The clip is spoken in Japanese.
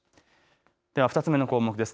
では２つ目の項目です。